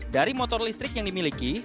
dari motor listrik yang dimiliki